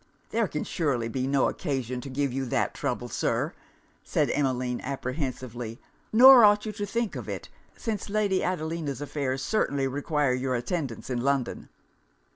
'There can surely be no occasion to give you that trouble, Sir,' said Emmeline apprehensively; 'nor ought you to think of it, since Lady Adelina's affairs certainly require your attendance in London.'